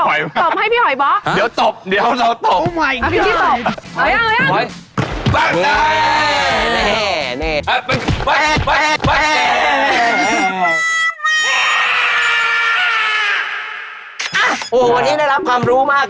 พี่ซี่ตบตบให้พี่หอยบล็อก